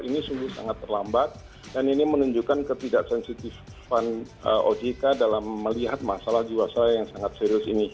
ini sungguh sangat terlambat dan ini menunjukkan ketidaksensitifan ojk dalam melihat masalah jiwasraya yang sangat serius ini